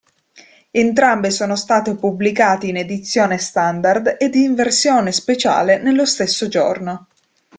Entrambe sono state pubblicate in edizione standard ed in versione speciale nello stesso giorno.